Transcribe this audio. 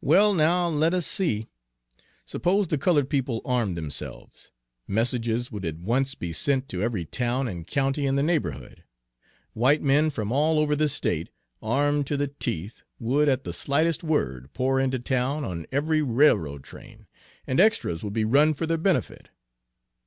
"Well, now, let us see. Suppose the colored people armed themselves? Messages would at once be sent to every town and county in the neighborhood. White men from all over the state, armed to the teeth, would at the slightest word pour into town on every railroad train, and extras would be run for their benefit."